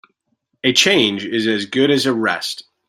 A change is as good as a rest.